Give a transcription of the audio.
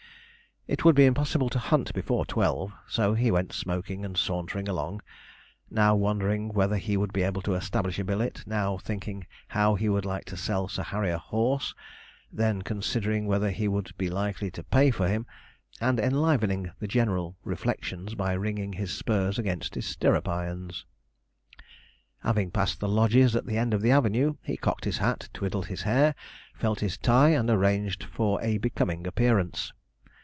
It would be impossible to hunt before twelve; so he went smoking and sauntering along, now wondering whether he would be able to establish a billet, now thinking how he would like to sell Sir Harry a horse, then considering whether he would be likely to pay for him, and enlivening the general reflections by ringing his spurs against his stirrup irons. Having passed the lodges at the end of the avenue, he cocked his hat, twiddled his hair, felt his tie, and arranged for a becoming appearance.